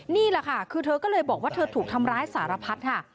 นี่แหละค่ะคือเธอก็เลยบอกว่าเธอถูกทำร้ายสารพัดค่ะ